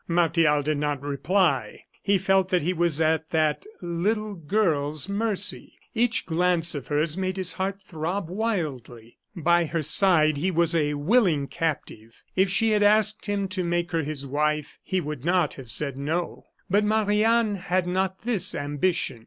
Martial did not reply. He felt that he was at that "little girl's" mercy. Each glance of hers made his heart throb wildly. By her side he was a willing captive. If she had asked him to make her his wife he would not have said no. But Marie Anne had not this ambition.